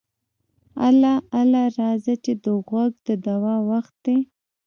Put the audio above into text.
اله اله راځه چې د غوږ د دوا وخت دی.